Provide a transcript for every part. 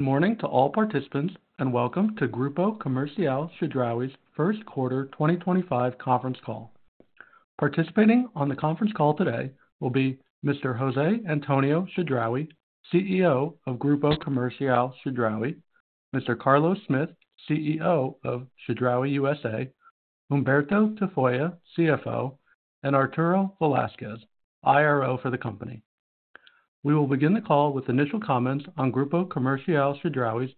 Morning to all participants, and welcome to Grupo Comercial Chedraui's first quarter 2025 conference call. Participating on the conference call today will be Mr. José Antonio Chedraui, CEO of Grupo Comercial Chedraui; Mr. Carlos Smith, CEO of Chedraui USA; Humberto Tafoya, CFO; and Arturo Velázquez, IRO for the company. We will begin the call with initial comments on Grupo Comercial Chedraui's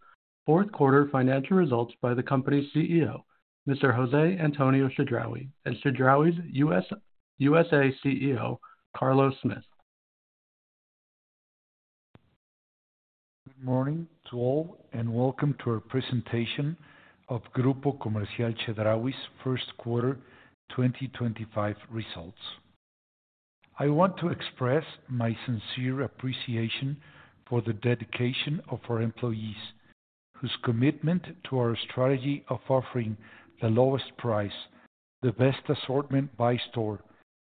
fourth quarter financial results by the company's CEO, Mr. José Antonio Chedraui, and Chedraui USA CEO, Carlos Smith. Good morning to all, and welcome to our presentation of Grupo Comercial Chedraui's first quarter 2025 results. I want to express my sincere appreciation for the dedication of our employees, whose commitment to our strategy of offering the lowest price, the best assortment by store,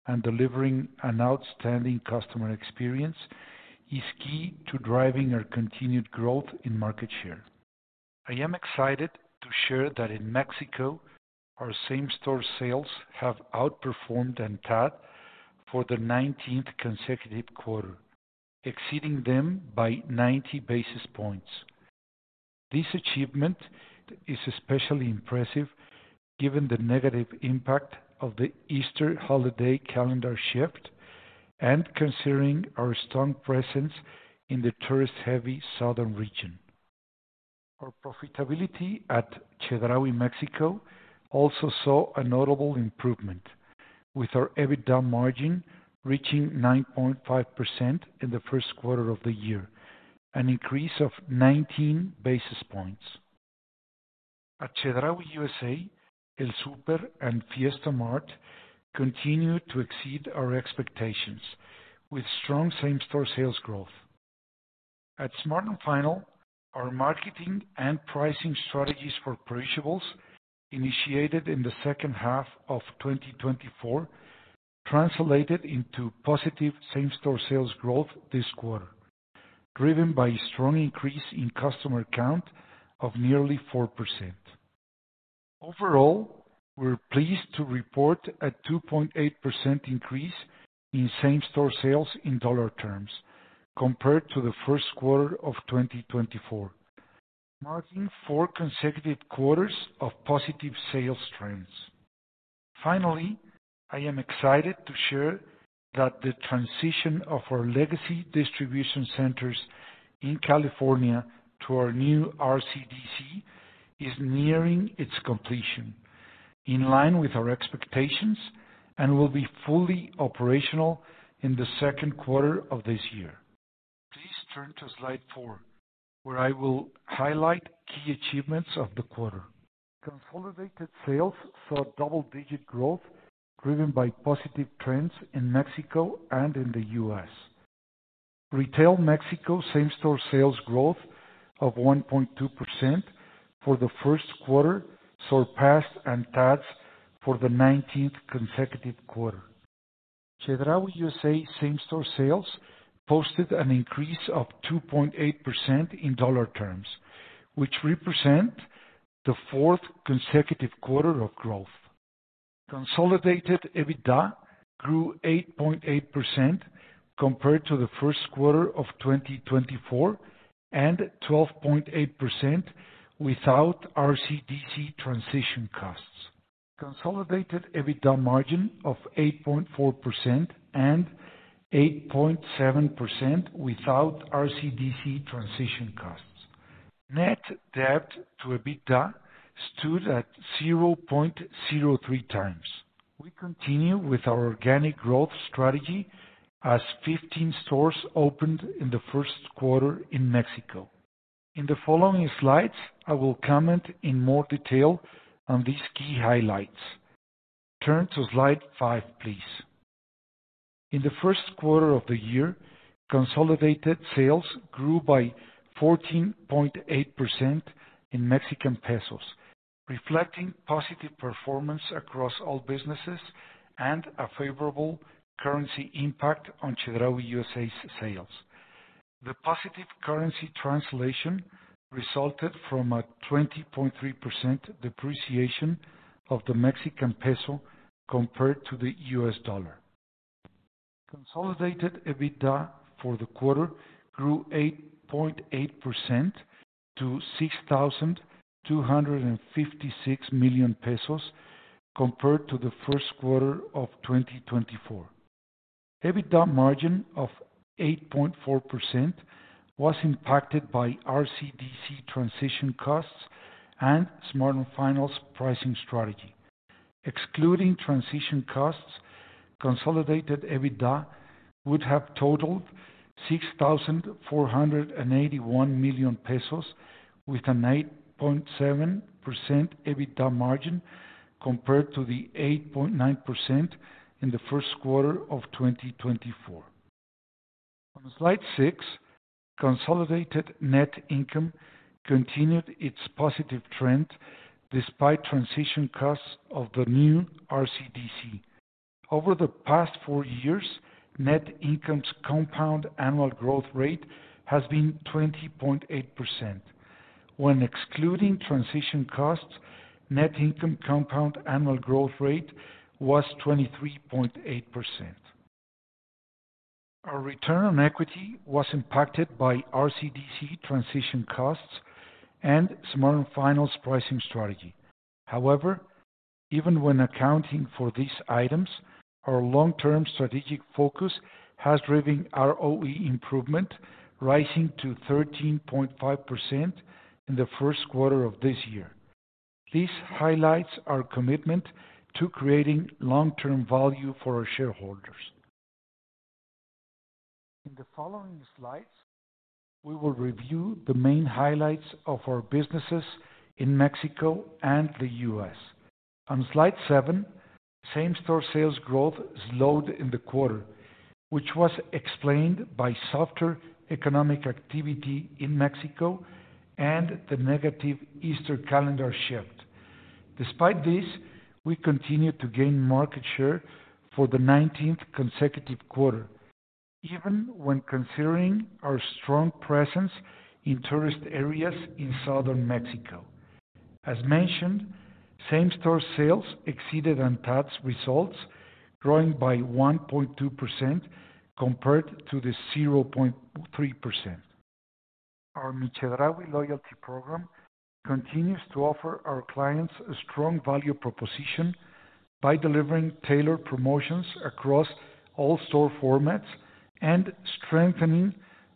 and delivering an outstanding customer experience is key to driving our continued growth in market share. I am excited to share that in Mexico, our same-store sales have outperformed ANTAD for the 19th consecutive quarter, exceeding them by 90 basis points. This achievement is especially impressive given the negative impact of the Easter holiday calendar shift and considering our strong presence in the tourist-heavy southern region. Our profitability at Chedraui Mexico also saw a notable improvement, with our EBITDA margin reaching 9.5% in the first quarter of the year, an increase of 19 basis points. At Chedraui USA, El Super and Fiesta Mart continue to exceed our expectations, with strong same-store sales growth. At Smart & Final, our marketing and pricing strategies for perishables, initiated in the second half of 2024, translated into positive same-store sales growth this quarter, driven by a strong increase in customer count of nearly 4%. Overall, we're pleased to report a 2.8% increase in same-store sales in dollar terms compared to the first quarter of 2024, marking four consecutive quarters of positive sales trends. Finally, I am excited to share that the transition of our legacy distribution centers in California to our new RCDC is nearing its completion, in line with our expectations, and will be fully operational in the second quarter of this year. Please turn to slide 4, where I will highlight key achievements of the quarter. Consolidated sales saw double-digit growth driven by positive trends in Mexico and in the U.S. Retail Mexico same-store sales growth of 1.2% for the first quarter surpassed ANTAD's for the 19th consecutive quarter. Chedraui USA same-store sales posted an increase of 2.8% in dollar terms, which represents the fourth consecutive quarter of growth. Consolidated EBITDA grew 8.8% compared to the first quarter of 2024 and 12.8% without RCDC transition costs. Consolidated EBITDA margin of 8.4% and 8.7% without RCDC transition costs. Net debt to EBITDA stood at 0.03x. We continue with our organic growth strategy as 15 stores opened in the first quarter in Mexico. In the following slides, I will comment in more detail on these key highlights. Turn to slide 5, please. In the first quarter of the year, consolidated sales grew by 14.8% in MXN, reflecting positive performance across all businesses and a favorable currency impact on Chedraui USA's sales. The positive currency translation resulted from a 20.3% depreciation of the MXN compared to the U.S. dollar. Consolidated EBITDA for the quarter grew 8.8% to 6,256 million pesos compared to the first quarter of 2024. EBITDA margin of 8.4% was impacted by RCDC transition costs and Smart & Final's pricing strategy. Excluding transition costs, consolidated EBITDA would have totaled 6,481 million pesos, with an 8.7% EBITDA margin compared to the 8.9% in the first quarter of 2024. On slide 6, consolidated net income continued its positive trend despite transition costs of the new RCDC. Over the past four years, net income's compound annual growth rate has been 20.8%. When excluding transition costs, net income compound annual growth rate was 23.8%. Our return on equity was impacted by RCDC transition costs and Smart & Final's pricing strategy. However, even when accounting for these items, our long-term strategic focus has driven ROE improvement, rising to 13.5% in the first quarter of this year. This highlights our commitment to creating long-term value for our shareholders. In the following slides, we will review the main highlights of our businesses in Mexico and the U.S. On slide 7, same-store sales growth slowed in the quarter, which was explained by softer economic activity in Mexico and the negative Easter calendar shift. Despite this, we continued to gain market share for the 19th consecutive quarter, even when considering our strong presence in tourist areas in southern Mexico. As mentioned, same-store sales exceeded ANTAD's results, growing by 1.2% compared to the 0.3%. Our Chedraui Loyalty Program continues to offer our clients a strong value proposition by delivering tailored promotions across all store formats and strengthening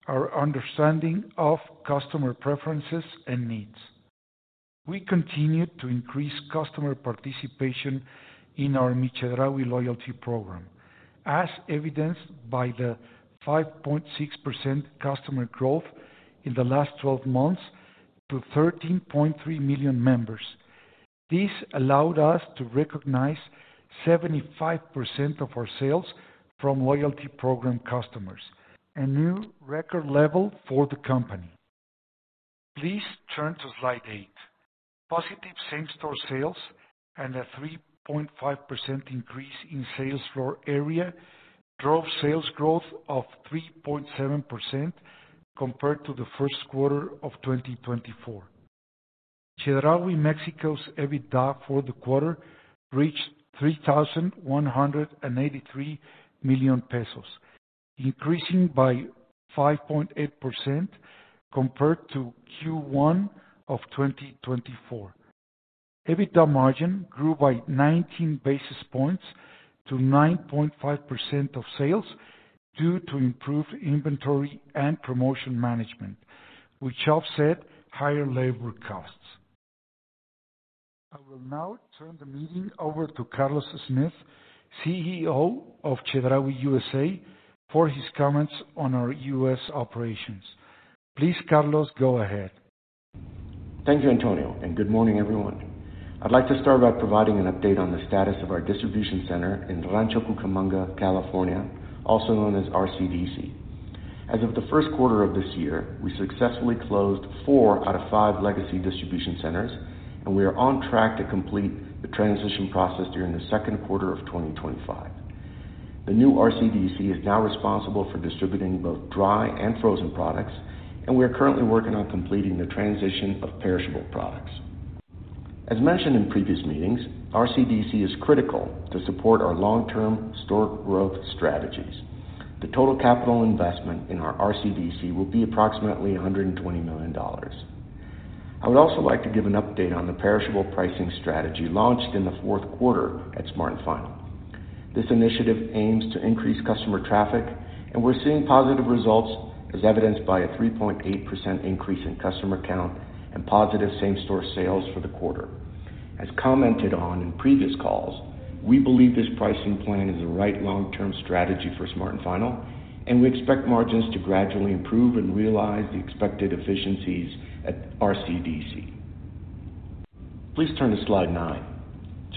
our understanding of customer preferences and needs. We continue to increase customer participation in our Chedraui Loyalty Program, as evidenced by the 5.6% customer growth in the last 12 months to 13.3 million members. This allowed us to recognize 75% of our sales from loyalty program customers, a new record level for the company. Please turn to slide 8. Positive same-store sales and a 3.5% increase in sales floor area drove sales growth of 3.7% compared to the first quarter of 2024. Chedraui Mexico's EBITDA for the quarter reached 3,183 million pesos, increasing by 5.8% compared to Q1 of 2024. EBITDA margin grew by 19 basis points to 9.5% of sales due to improved inventory and promotion management, which offset higher labor costs. I will now turn the meeting over to Carlos Smith, CEO of Chedraui USA, for his comments on our U.S. operations. Please, Carlos, go ahead. Thank you, Antonio, and good morning, everyone. I'd like to start by providing an update on the status of our distribution center in Rancho Cucamonga, California, also known as RCDC. As of the first quarter of this year, we successfully closed four out of five legacy distribution centers, and we are on track to complete the transition process during the second quarter of 2025. The new RCDC is now responsible for distributing both dry and frozen products, and we are currently working on completing the transition of perishable products. As mentioned in previous meetings, RCDC is critical to support our long-term store growth strategies. The total capital investment in our RCDC will be approximately $120 million. I would also like to give an update on the perishable pricing strategy launched in the fourth quarter at Smart & Final. This initiative aims to increase customer traffic, and we're seeing positive results, as evidenced by a 3.8% increase in customer count and positive same-store sales for the quarter. As commented on in previous calls, we believe this pricing plan is the right long-term strategy for Smart & Final, and we expect margins to gradually improve and realize the expected efficiencies at RCDC. Please turn to slide 9.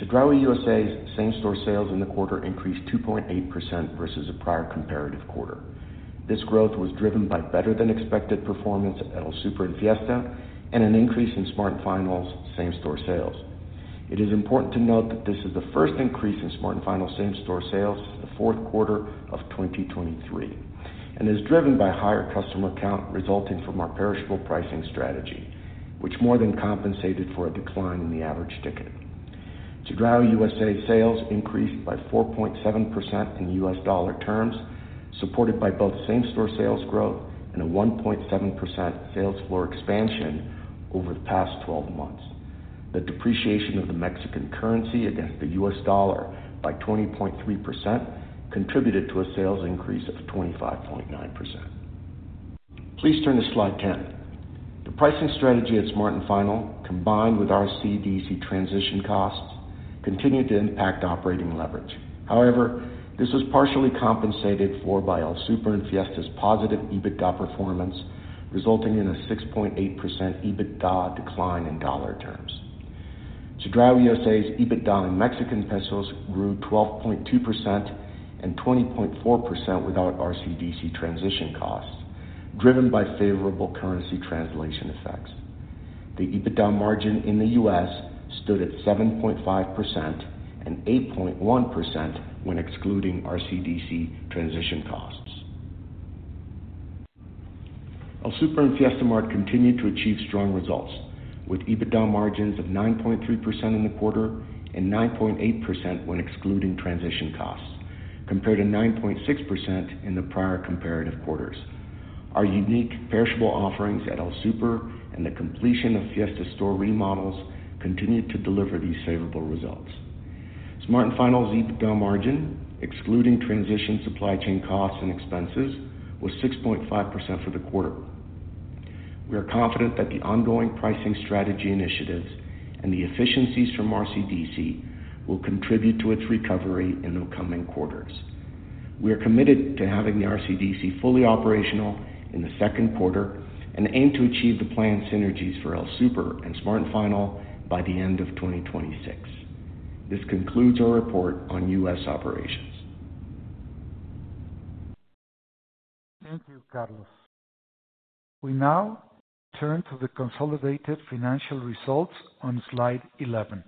Chedraui USA's same-store sales in the quarter increased 2.8% versus a prior comparative quarter. This growth was driven by better-than-expected performance at El Super and Fiesta and an increase in Smart & Final's same-store sales. It is important to note that this is the first increase in Smart & Final's same-store sales since the fourth quarter of 2023 and is driven by higher customer count resulting from our perishable pricing strategy, which more than compensated for a decline in the average ticket. Chedraui USA's sales increased by 4.7% in U.S. dollar terms, supported by both same-store sales growth and a 1.7% sales floor expansion over the past 12 months. The depreciation of the Mexican currency against the U.S. dollar by 20.3% contributed to a sales increase of 25.9%. Please turn to slide 10. The pricing strategy at Smart & Final, combined with RCDC transition costs, continued to impact operating leverage. However, this was partially compensated for by El Super and Fiesta Mart's positive EBITDA performance, resulting in a 6.8% EBITDA decline in dollar terms. Chedraui USA's EBITDA in Mexican pesos grew 12.2% and 20.4% without RCDC transition costs, driven by favorable currency translation effects. The EBITDA margin in the U.S. stood at 7.5% and 8.1% when excluding RCDC transition costs. El Super and Fiesta Mart continued to achieve strong results, with EBITDA margins of 9.3% in the quarter and 9.8% when excluding transition costs, compared to 9.6% in the prior comparative quarters. Our unique perishable offerings at El Super and the completion of Fiesta store remodels continued to deliver these favorable results. Smart & Final's EBITDA margin, excluding transition supply chain costs and expenses, was 6.5% for the quarter. We are confident that the ongoing pricing strategy initiatives and the efficiencies from RCDC will contribute to its recovery in the coming quarters. We are committed to having the RCDC fully operational in the second quarter and aim to achieve the planned synergies for El Super and Smart & Final by the end of 2026. This concludes our report on U.S. operations. Thank you, Carlos. We now turn to the consolidated financial results on slide 11.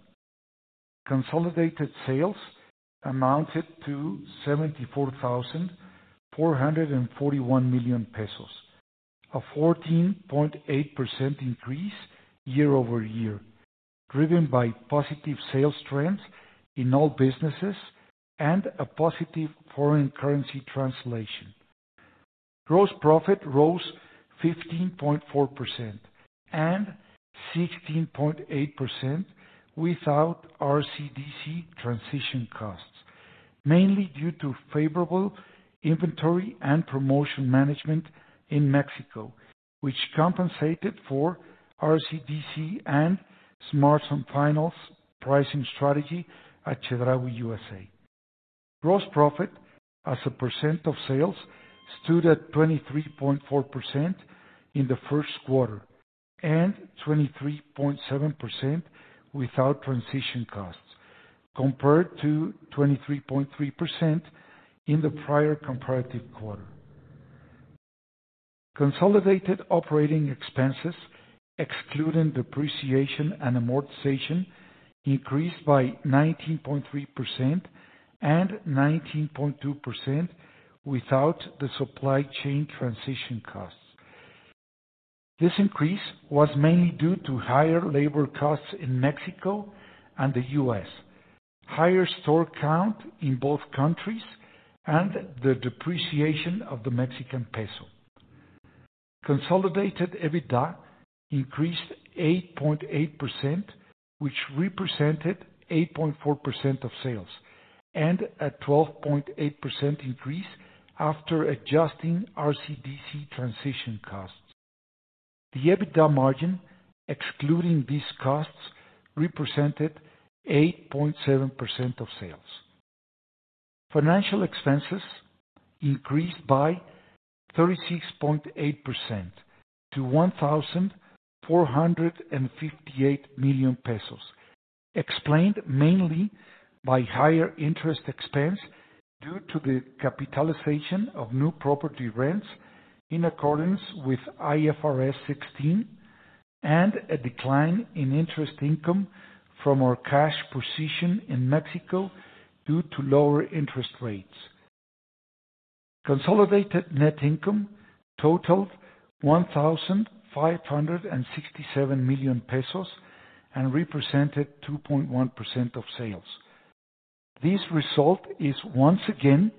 The consolidated sales amounted to 74,441 million pesos, a 14.8% increase year-over-year, driven by positive sales trends in all businesses and a positive foreign currency translation. Gross profit rose 15.4% and 16.8% without RCDC transition costs, mainly due to favorable inventory and promotion management in Mexico, which compensated for RCDC and Smart & Final's pricing strategy at Chedraui USA. Gross profit, as a percent of sales, stood at 23.4% in the first quarter and 23.7% without transition costs, compared to 23.3% in the prior comparative quarter. Consolidated operating expenses, excluding depreciation and amortization, increased by 19.3% and 19.2% without the supply chain transition costs. This increase was mainly due to higher labor costs in Mexico and the U.S., higher store count in both countries, and the depreciation of the Mexican peso. Consolidated EBITDA increased 8.8%, which represented 8.4% of sales, and a 12.8% increase after adjusting RCDC transition costs. The EBITDA margin, excluding these costs, represented 8.7% of sales. Financial expenses increased by 36.8% to MXN 1,458 million, explained mainly by higher interest expense due to the capitalization of new property rents in accordance with IFRS 16 and a decline in interest income from our cash position in Mexico due to lower interest rates. Consolidated net income totaled 1,567 million pesos and represented 2.1% of sales. This result is once again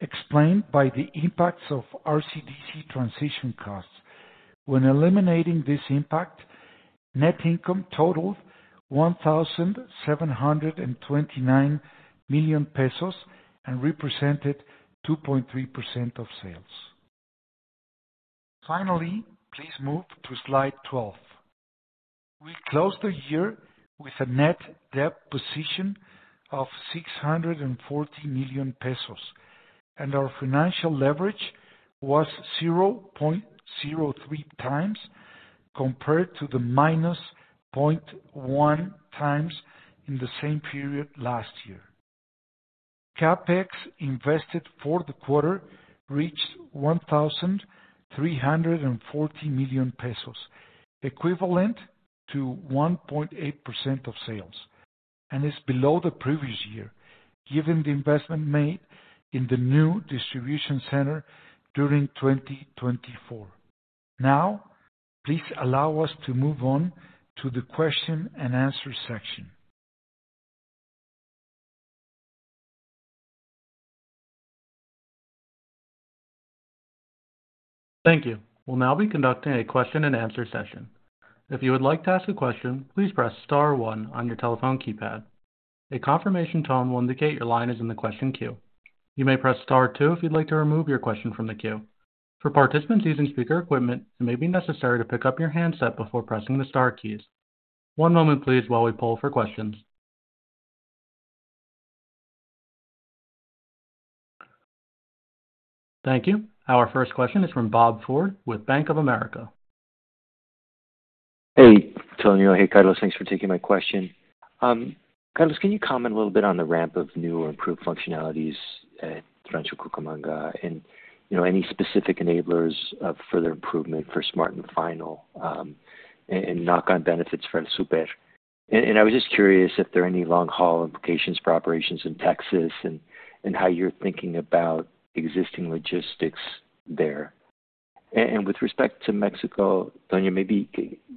explained by the impacts of RCDC transition costs. When eliminating this impact, net income totaled 1,729 million pesos and represented 2.3% of sales. Finally, please move to slide 12. We closed the year with a net debt position of 640 million pesos, and our financial leverage was 0.03x compared to the minus 0.1 times in the same period last year. CAPEX invested for the quarter reached 1,340 million pesos, equivalent to 1.8% of sales, and is below the previous year, given the investment made in the new distribution center during 2024. Now, please allow us to move on to the question and answer section. Thank you. We'll now be conducting a question and answer session. If you would like to ask a question, please press star one on your telephone keypad. A confirmation tone will indicate your line is in the question queue. You may press star two if you'd like to remove your question from the queue. For participants using speaker equipment, it may be necessary to pick up your handset before pressing the star keys. One moment, please, while we pull for questions. Thank you. Our first question is from Bob Ford with Bank of America. Hey, Antonio. Hey, Carlos. Thanks for taking my question. Carlos, can you comment a little bit on the ramp of new or improved functionalities at Rancho Cucamonga and any specific enablers of further improvement for Smart & Final and knock-on benefits for El Super? I was just curious if there are any long-haul implications for operations in Texas and how you're thinking about existing logistics there. With respect to Mexico, Antonio, maybe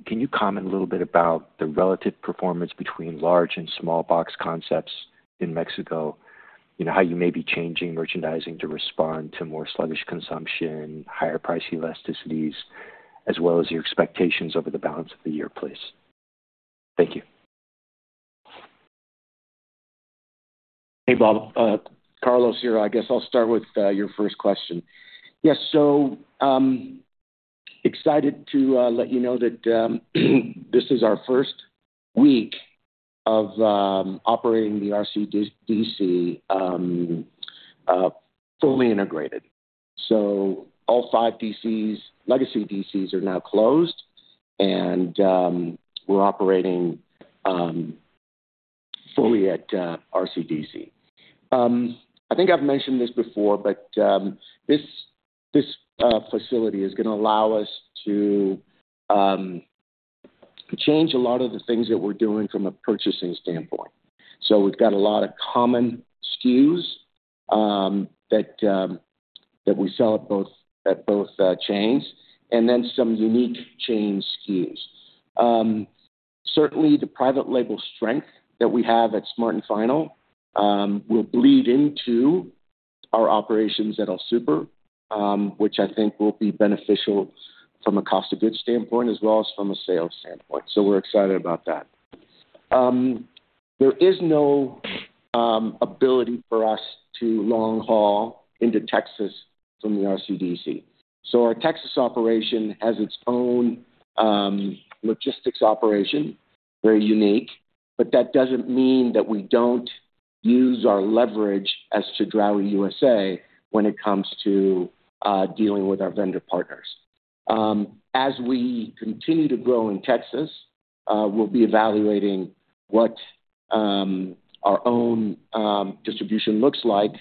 can you comment a little bit about the relative performance between large and small box concepts in Mexico, how you may be changing merchandising to respond to more sluggish consumption, higher price elasticities, as well as your expectations over the balance of the year, please? Thank you. Hey, Bob. Carlos here. I guess I'll start with your first question. Yes, excited to let you know that this is our first week of operating the RCDC fully integrated. All five DCs, legacy DCs, are now closed, and we're operating fully at RCDC. I think I've mentioned this before, but this facility is going to allow us to change a lot of the things that we're doing from a purchasing standpoint. We've got a lot of common SKUs that we sell at both chains and then some unique chain SKUs. Certainly, the private label strength that we have at Smart & Final will bleed into our operations at El Super, which I think will be beneficial from a cost of goods standpoint as well as from a sales standpoint. We're excited about that. There is no ability for us to long-haul into Texas from the RCDC. Our Texas operation has its own logistics operation, very unique, but that does not mean that we do not use our leverage as Chedraui USA when it comes to dealing with our vendor partners. As we continue to grow in Texas, we will be evaluating what our own distribution looks like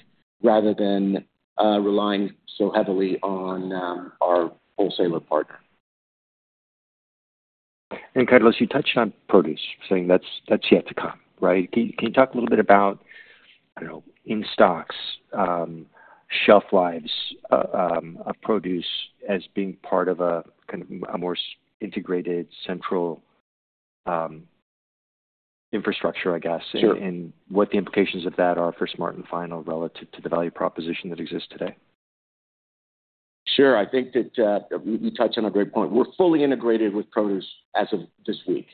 rather than relying so heavily on our wholesaler partner. Carlos, you touched on produce, saying that's yet to come, right? Can you talk a little bit about in-stocks, shelf lives of produce as being part of a kind of a more integrated central infrastructure, I guess, and what the implications of that are for Smart & Final relative to the value proposition that exists today? Sure. I think that you touched on a great point. We're fully integrated with produce as of this week.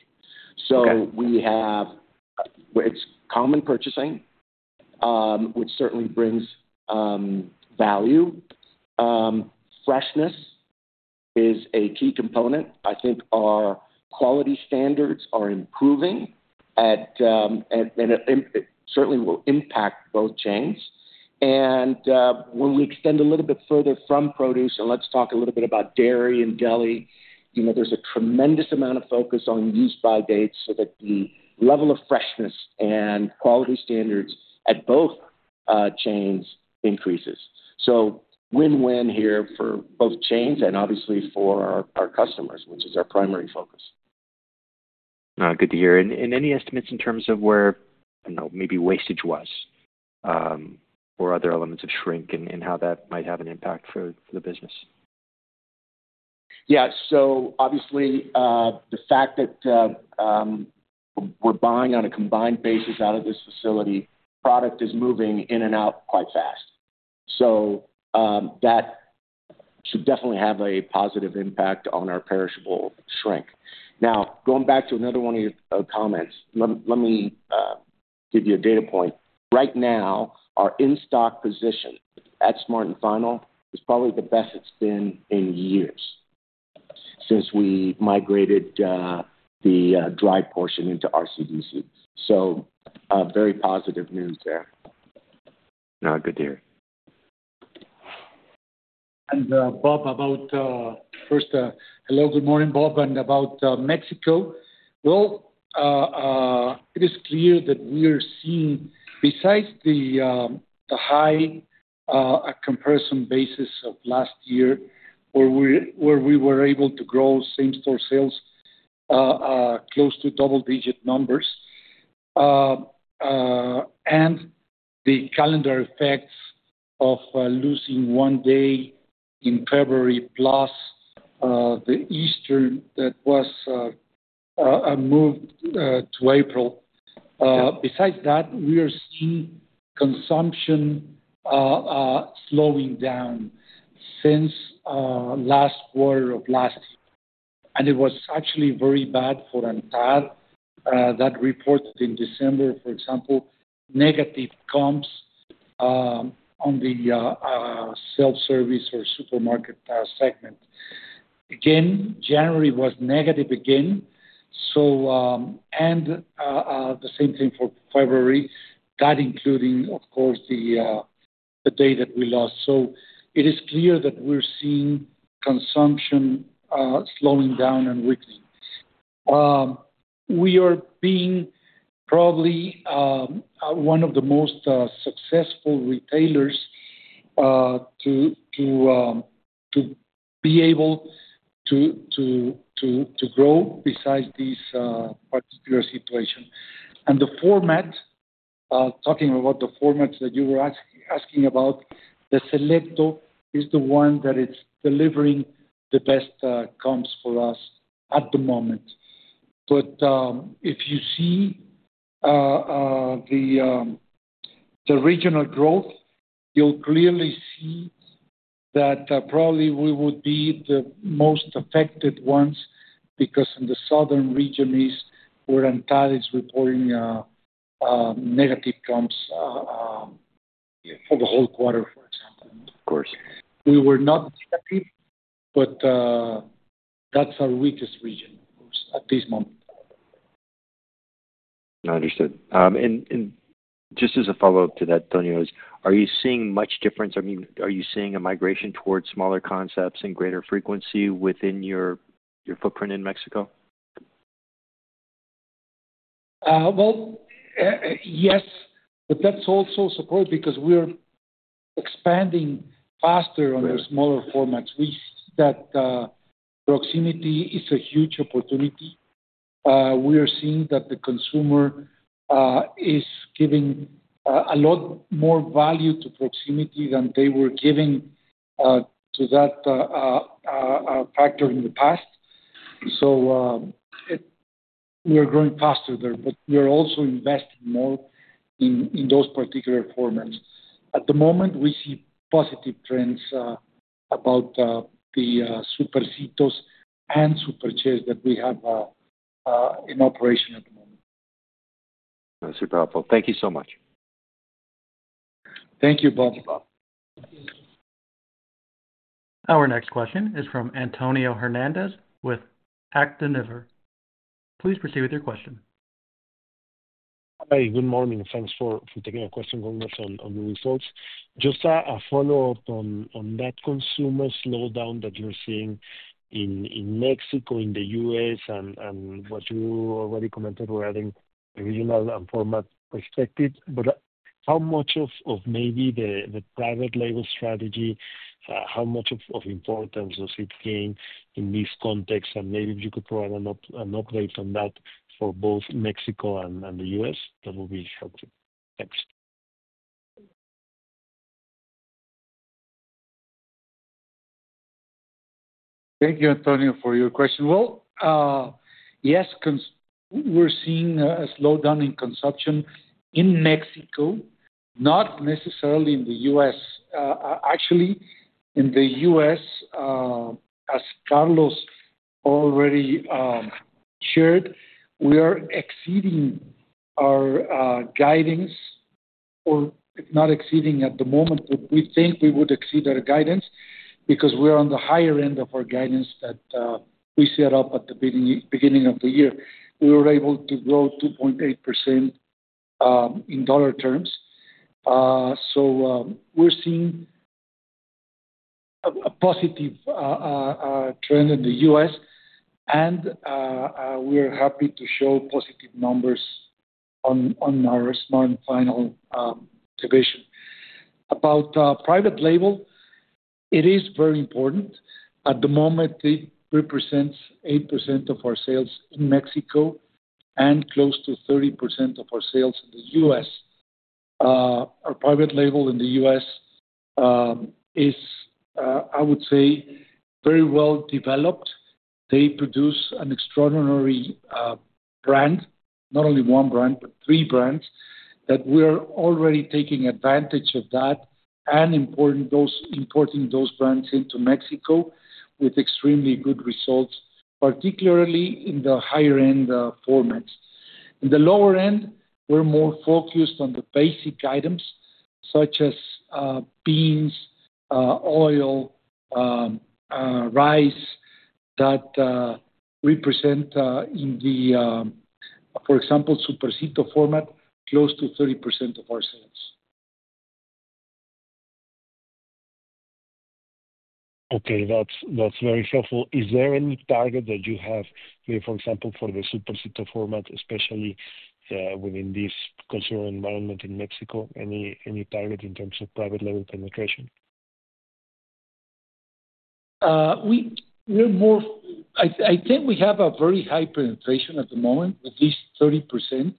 It is common purchasing, which certainly brings value. Freshness is a key component. I think our quality standards are improving, and it certainly will impact both chains. When we extend a little bit further from produce, and let's talk a little bit about dairy and deli, there is a tremendous amount of focus on use-by dates so that the level of freshness and quality standards at both chains increases. Win-win here for both chains and obviously for our customers, which is our primary focus. Good to hear. Any estimates in terms of where, I don't know, maybe wastage was or other elements of shrink and how that might have an impact for the business? Yeah. Obviously, the fact that we're buying on a combined basis out of this facility, product is moving in and out quite fast. That should definitely have a positive impact on our perishable shrink. Now, going back to another one of your comments, let me give you a data point. Right now, our in-stock position at Smart & Final is probably the best it's been in years since we migrated the dry portion into RCDC. Very positive news there. Good to hear. Bob, first, hello, good morning, Bob, and about Mexico. It is clear that we are seeing, besides the high comparison basis of last year, where we were able to grow same-store sales close to double-digit numbers and the calendar effects of losing one day in February plus the Easter that was moved to April. Besides that, we are seeing consumption slowing down since last quarter of last year. It was actually very bad for ANTAD that reported in December, for example, negative comps on the self-service or supermarket segment. January was negative again, and the same thing for February, that including, of course, the day that we lost. It is clear that we're seeing consumption slowing down and weakening. We are being probably one of the most successful retailers to be able to grow besides this particular situation. Talking about the formats that you were asking about, the Selecto is the one that is delivering the best comps for us at the moment. If you see the regional growth, you'll clearly see that probably we would be the most affected ones because in the southern region is where ANTAD is reporting negative comps for the whole quarter, for example. Of course. We were not negative, but that's our weakest region, of course, at this moment. Understood. Just as a follow-up to that, Antonio, are you seeing much difference? I mean, are you seeing a migration towards smaller concepts and greater frequency within your footprint in Mexico? Yes, but that's also supported because we're expanding faster on the smaller formats. We see that proximity is a huge opportunity. We are seeing that the consumer is giving a lot more value to proximity than they were giving to that factor in the past. We are growing faster there, but we are also investing more in those particular formats. At the moment, we see positive trends about the Supercitos and Súper Ches that we have in operation at the moment. That's super helpful. Thank you so much. Thank you, Bob. Thank you, Bob. Our next question is from Antonio Hernandez with Actinver. Please proceed with your question. Hi, good morning. Thanks for taking our question, on the results. Just a follow-up on that consumer slowdown that you're seeing in Mexico, in the U.S., and what you already commented regarding the regional and format perspective. How much of maybe the private label strategy, how much of importance does it gain in this context? If you could provide an update on that for both Mexico and the U.S., that would be helpful. Thanks. Thank you, Antonio, for your question. Yes, we're seeing a slowdown in consumption in Mexico, not necessarily in the U.S. Actually, in the U.S., as Carlos already shared, we are exceeding our guidance, or not exceeding at the moment, but we think we would exceed our guidance because we are on the higher end of our guidance that we set up at the beginning of the year. We were able to grow 2.8% in dollar terms. We're seeing a positive trend in the U.S., and we are happy to show positive numbers on our Smart & Final division. About private label, it is very important. At the moment, it represents 8% of our sales in Mexico and close to 30% of our sales in the U.S. Our private label in the U.S. is, I would say, very well developed. They produce an extraordinary brand, not only one brand, but three brands that we are already taking advantage of that and those importing those brands into Mexico with extremely good results, particularly in the higher-end formats. In the lower end, we're more focused on the basic items such as beans, oil, rice that we present in the, for example, Supercito format, close to 30% of our sales. Okay. That's very helpful. Is there any target that you have here, for example, for the Supercito format, especially within this consumer environment in Mexico? Any target in terms of private label penetration? I think we have a very high penetration at the moment, at least 30%,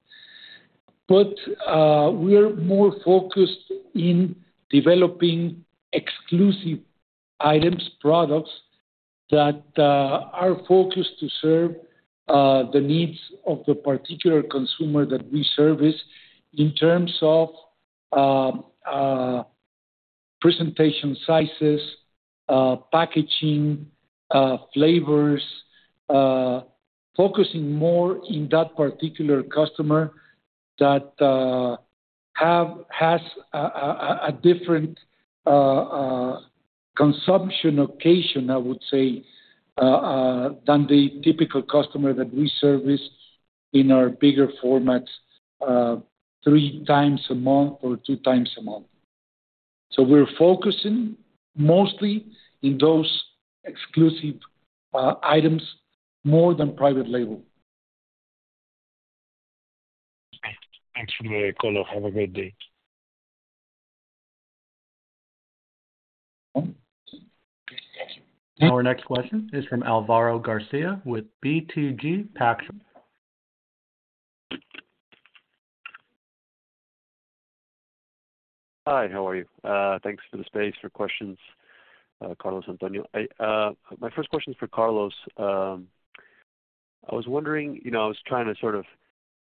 but we are more focused in developing exclusive items, products that are focused to serve the needs of the particular consumer that we service in terms of presentation sizes, packaging, flavors, focusing more in that particular customer that has a different consumption occasion, I would say, than the typical customer that we service in our bigger formats three times a month or two times a month. We are focusing mostly in those exclusive items more than private label. Okay. Thanks for the call. Have a great day. Our next question is from Alvaro Garcia with BTG Pactual. Hi, how are you? Thanks for the space, for questions, Carlos Antonio. My first question is for Carlos. I was wondering, I was trying to sort of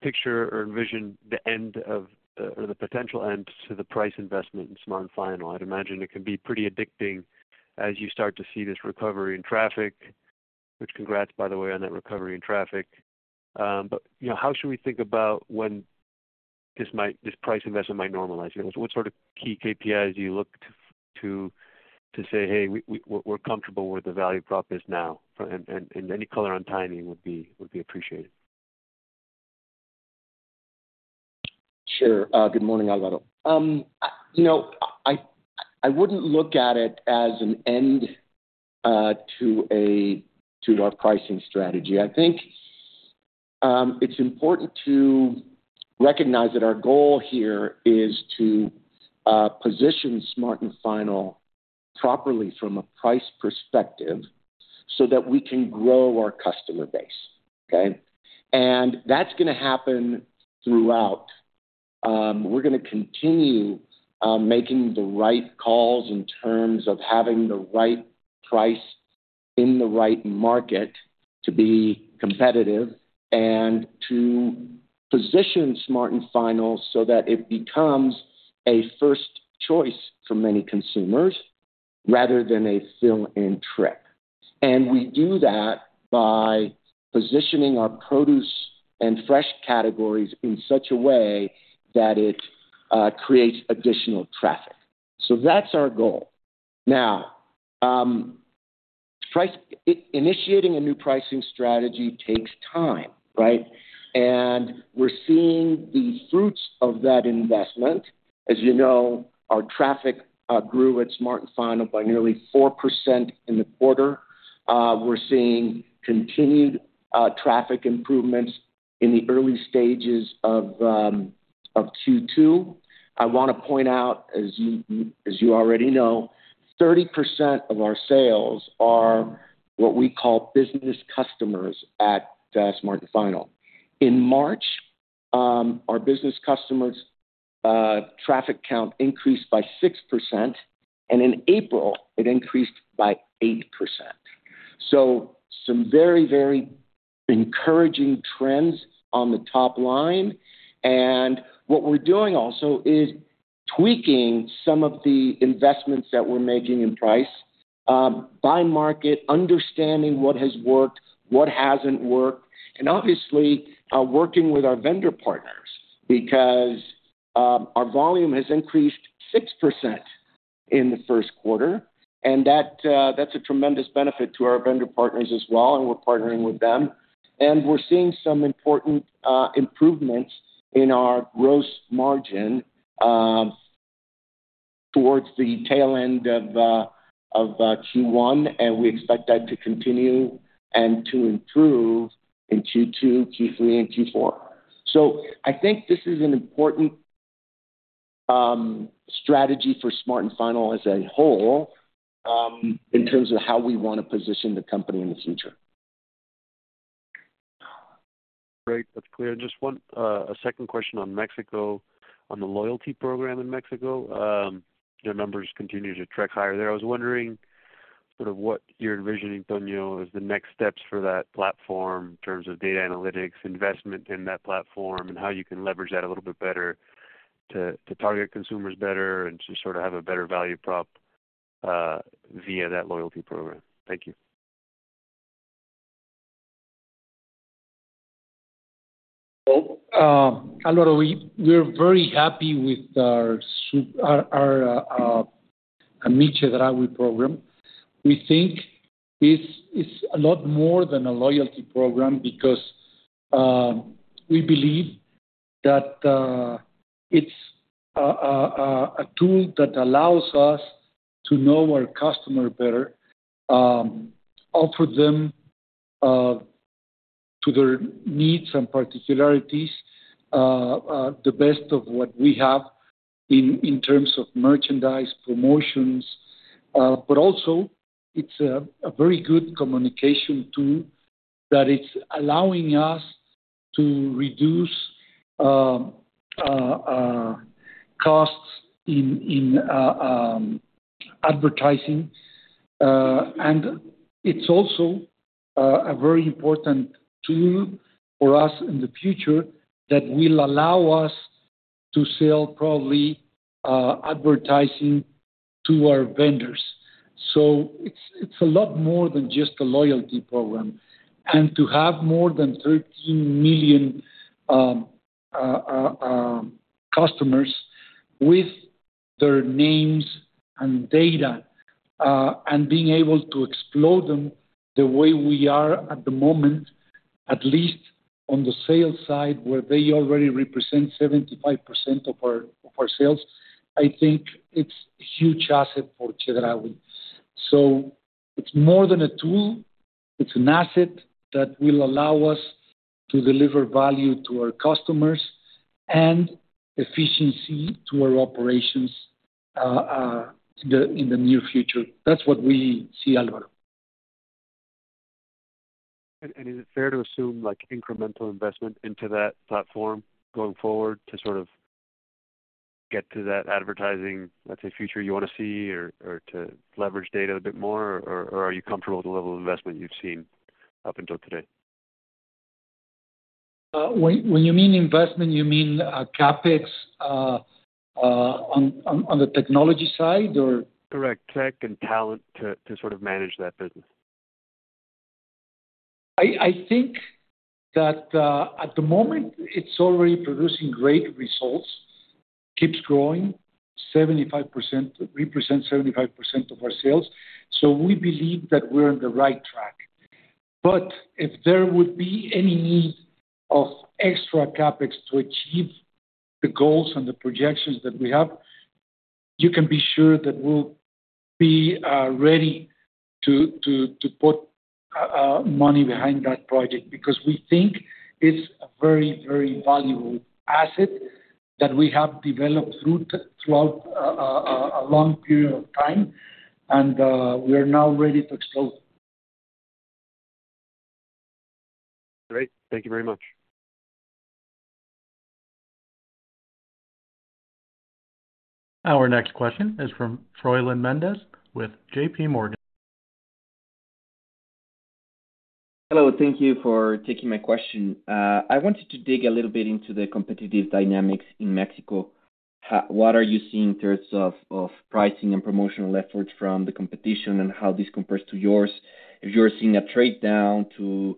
picture or envision the end of or the potential end to the price investment in Smart & Final. I'd imagine it can be pretty addicting as you start to see this recovery in traffic, which congrats, by the way, on that recovery in traffic. How should we think about when this price investment might normalize? What sort of key KPIs do you look to say, "Hey, we're comfortable with the value prop is now"? Any color on timing would be appreciated. Sure. Good morning, Alvaro. I wouldn't look at it as an end to our pricing strategy. I think it's important to recognize that our goal here is to position Smart & Final properly from a price perspective so that we can grow our customer base, okay? That is going to happen throughout. We're going to continue making the right calls in terms of having the right price in the right market to be competitive and to position Smart & Final so that it becomes a first choice for many consumers rather than a fill-in trip. We do that by positioning our produce and fresh categories in such a way that it creates additional traffic. That is our goal. Now, initiating a new pricing strategy takes time, right? We are seeing the fruits of that investment. As you know, our traffic grew at Smart & Final by nearly 4% in the quarter. We are seeing continued traffic improvements in the early stages of Q2. I want to point out, as you already know, 30% of our sales are what we call business customers at Smart & Final. In March, our business customers' traffic count increased by 6%, and in April, it increased by 8%. Some very, very encouraging trends on the top line. What we are doing also is tweaking some of the investments that we are making in price, by market, understanding what has worked, what has not worked, and obviously working with our vendor partners because our volume has increased 6% in the first quarter. That is a tremendous benefit to our vendor partners as well, and we are partnering with them. We are seeing some important improvements in our gross margin towards the tail end of Q1, and we expect that to continue and to improve in Q2, Q3, and Q4. I think this is an important strategy for Smart & Final as a whole in terms of how we want to position the company in the future. Great. That's clear. Just a second question on Mexico, on the loyalty program in Mexico. Your numbers continue to track higher there. I was wondering sort of what you're envisioning, Antonio, as the next steps for that platform in terms of data analytics, investment in that platform, and how you can leverage that a little bit better to target consumers better and to sort of have a better value prop via that loyalty program. Thank you. Alvaro, we're very happy with our Mi Chedraui program. We think it's a lot more than a loyalty program because we believe that it's a tool that allows us to know our customer better, offer them to their needs and particularities the best of what we have in terms of merchandise, promotions. It is also a very good communication tool that is allowing us to reduce costs in advertising. It is also a very important tool for us in the future that will allow us to sell probably advertising to our vendors. It is a lot more than just a loyalty program. To have more than 13 million customers with their names and data and being able to exploit them the way we are at the moment, at least on the sales side where they already represent 75% of our sales, I think it's a huge asset for Chedraui. It is more than a tool. It is an asset that will allow us to deliver value to our customers and efficiency to our operations in the near future. That is what we see, Alvaro. Is it fair to assume incremental investment into that platform going forward to sort of get to that advertising, let's say, future you want to see or to leverage data a bit more? Or are you comfortable with the level of investment you've seen up until today? When you mean investment, you mean CapEx on the technology side, or? Correct. Tech and talent to sort of manage that business. I think that at the moment, it's already producing great results. It keeps growing. It represents 75% of our sales. We believe that we're on the right track. If there would be any need of extra CapEx to achieve the goals and the projections that we have, you can be sure that we'll be ready to put money behind that project because we think it's a very, very valuable asset that we have developed throughout a long period of time, and we are now ready to explode. Great. Thank you very much. Our next question is from Froylan Mendez with JPMorgan. Hello. Thank you for taking my question. I wanted to dig a little bit into the competitive dynamics in Mexico. What are you seeing in terms of pricing and promotional efforts from the competition and how this compares to yours? If you're seeing a trade down to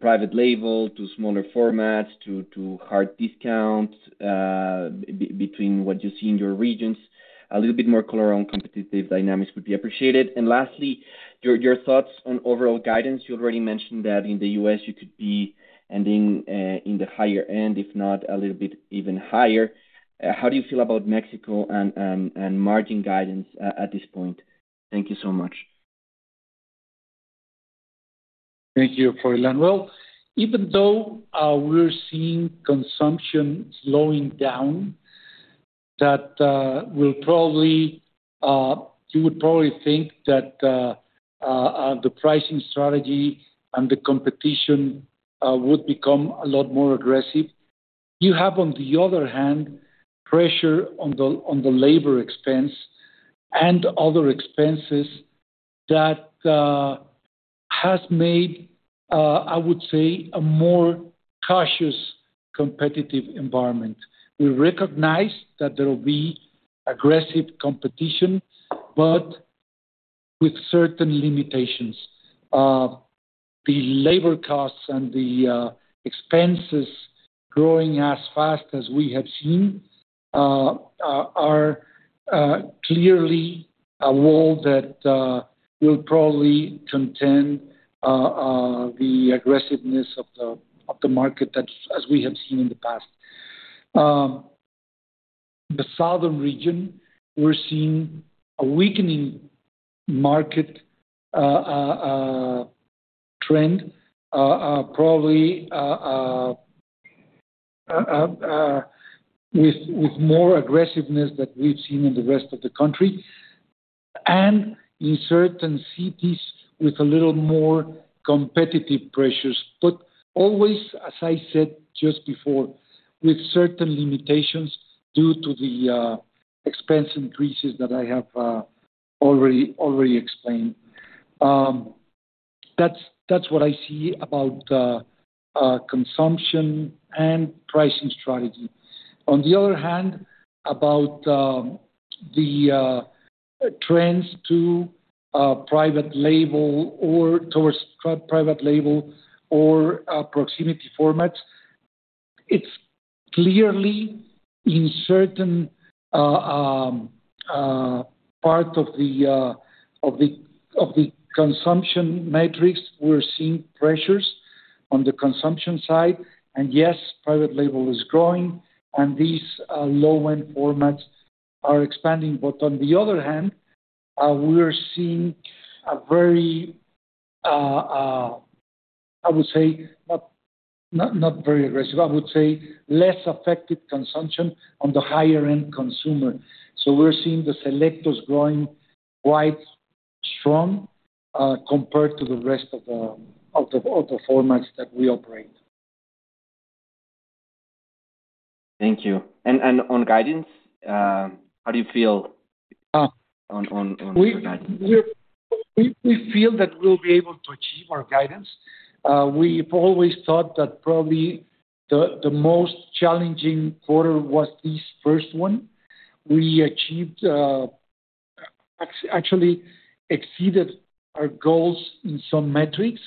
private label, to smaller formats, to hard discounts between what you see in your regions, a little bit more color on competitive dynamics would be appreciated. Lastly, your thoughts on overall guidance? You already mentioned that in the U.S., you could be ending in the higher end, if not a little bit even higher. How do you feel about Mexico and margin guidance at this point? Thank you so much. Thank you, Froylan. Even though we're seeing consumption slowing down, you would probably think that the pricing strategy and the competition would become a lot more aggressive. You have, on the other hand, pressure on the labor expense and other expenses that has made, I would say, a more cautious competitive environment. We recognize that there will be aggressive competition, but with certain limitations. The labor costs and the expenses growing as fast as we have seen are clearly a wall that will probably contain the aggressiveness of the market as we have seen in the past. The southern region, we're seeing a weakening market trend, probably with more aggressiveness that we've seen in the rest of the country, and in certain cities with a little more competitive pressures. As I said just before, with certain limitations due to the expense increases that I have already explained. That is what I see about consumption and pricing strategy. On the other hand, about the trends to private label or towards private label or proximity formats, it is clearly in certain parts of the consumption metrics, we are seeing pressures on the consumption side. Yes, private label is growing, and these low-end formats are expanding. On the other hand, we are seeing a very, I would say, not very aggressive, I would say, less affected consumption on the higher-end consumer. We are seeing the selectors growing quite strong compared to the rest of the formats that we operate. Thank you. On guidance, how do you feel on guidance? We feel that we'll be able to achieve our guidance. We've always thought that probably the most challenging quarter was this first one. We actually exceeded our goals in some metrics.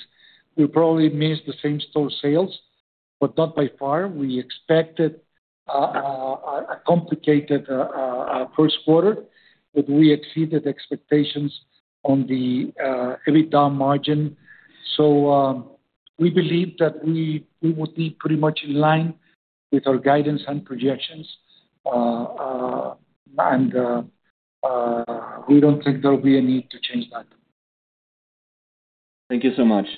We probably missed the same store sales, but not by far. We expected a complicated first quarter, but we exceeded expectations on the EBITDA margin. We believe that we would be pretty much in line with our guidance and projections, and we don't think there will be a need to change that. Thank you so much.